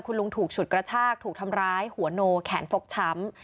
คุณลุงถูกฉุดกระชากถูกทำร้ายหัวโนแขนฟกช้ำ